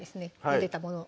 ゆでたもの